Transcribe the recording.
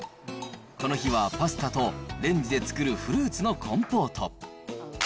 この日はパスタとレンジで作るフルーツのコンポート。